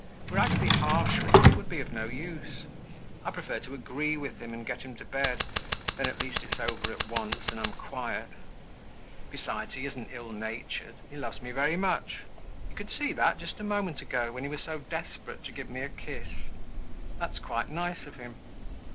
Were I to be harsh with him, it would be of no use. I prefer to agree with him and get him to bed; then, at least, it's over at once and I'm quiet. Besides, he isn't ill natured, he loves me very much. You could see that just a moment ago when he was desperate to give me a kiss. That's quite nice of him.